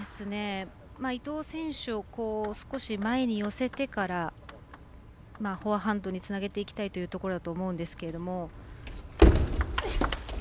伊藤選手を少し前に寄せてからフォアハンドにつなげていきたいというところだと思うんですけれども。